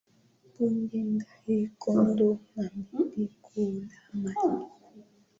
mbunge ndai kondo na bibi kuhula madila